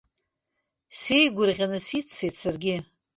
Сеигәырӷьаны сиццеит саргьы.